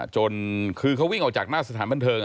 จนคือเขาวิ่งออกจากหน้าสถานบันเทิง